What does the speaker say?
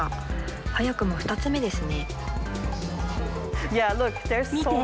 早くも２つ目ですね。